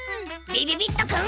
びびびっとくん。